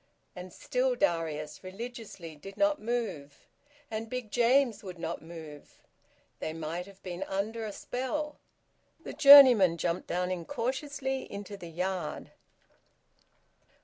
And still Darius religiously did not move, and Big James would not move. They might have been under a spell. The journeyman jumped down incautiously into the yard.